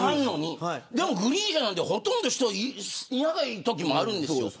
でもグリーン車なんてほとんど人が居ないときもあるんです。